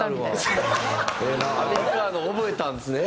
アメリカーノ覚えたんですね。